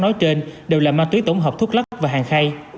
nói trên đều là ma túy tổng hợp thuốc lắc và hàng khay